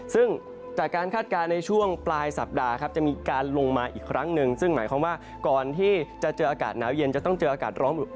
ซึ่งจากการคาดการณ์ในช่วงปลายสัปดาห์ครับจะมีการลงมาอีกครั้งหนึ่งซึ่งหมายความว่าก่อนที่จะเจออากาศหนาวเย็นจะต้องเจออากาศร้อน